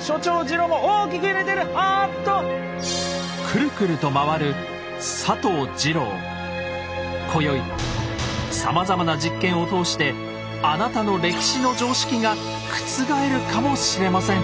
くるくると今宵さまざまな実験を通してあなたの歴史の常識が覆るかもしれません。